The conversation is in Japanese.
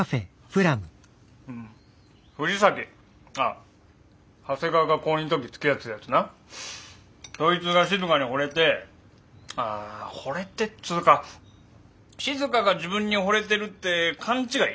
藤崎あっ長谷川が高２ん時つきあってたやつなそいつが静にほれてああほれてっつうか静が自分にほれてるって勘違い？